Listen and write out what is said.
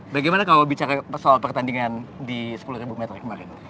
bagaimana kalau bicara soal pertandingan di sepuluh meter kemarin